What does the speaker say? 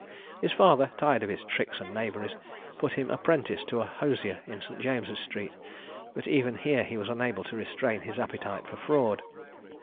His father, tired of his tricks and knaveries, put him apprentice to a hosier in St. James's street, but even here he was unable to restrain his appetite for fraud.